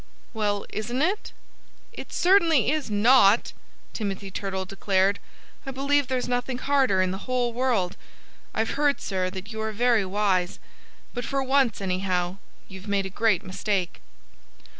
"Well, isn't it?" "It certainly is not," Timothy Turtle declared. "I believe there's nothing harder in the whole world.... I've heard, sir, that you are very wise. But for once, anyhow, you've made a great mistake."